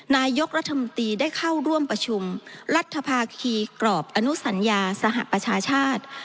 นายกรัฐมนตรีได้เข้าร่วมประชุมรัฐภาคีกรอบอนุสัญญาสหประชาชาติ